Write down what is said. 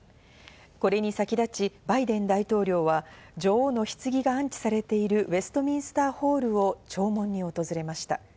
これに先立ち、バイデン大統領は女王のひつぎが安置されているウェストミンスターホールを弔問に訪れました。